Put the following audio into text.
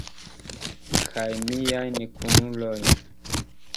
Kaj miajn kunulojn?